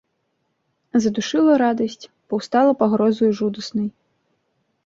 Задушыла радасць, паўстала пагрозаю жудаснай.